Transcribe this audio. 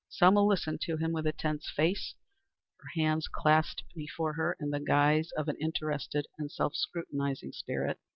Selma listened to him with a tense face, her hands clasped before her in the guise of an interested and self scrutinizing spirit.